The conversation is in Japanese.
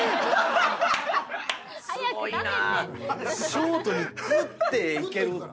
ショートにグッていけるっていう。